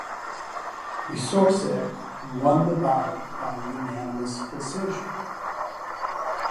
Wieczorek won the bout by unanimous decision.